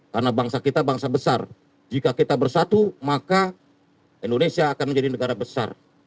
karena bangsa kita bangsa besar jika kita bersatu maka indonesia akan menjadi negara besar